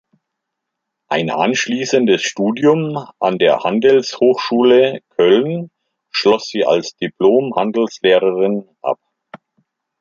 Ein anschließendes Studium an der Handelshochschule Köln schloss sie als Diplom-Handelslehrerin ab.